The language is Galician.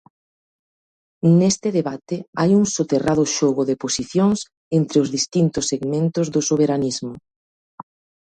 Neste debate hai un soterrado xogo de posicións entre os distintos segmentos do soberanismo.